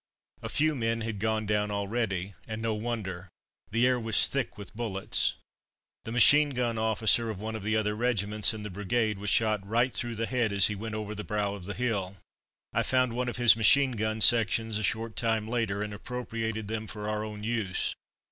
A few men had gone down already, and no wonder the air was thick with bullets. The machine gun officer of one of the other regiments in the brigade was shot right through the head as he went over the brow of the hill. I found one of his machine gun sections a short time later, and appropriated them for our own use.